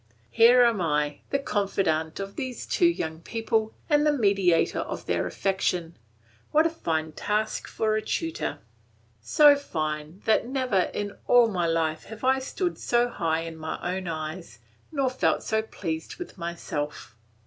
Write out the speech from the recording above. Here am I, the confidant of these two young people and the mediator of their affection. What a fine task for a tutor! So fine that never in all my life have I stood so high in my own eyes, nor felt so pleased with myself.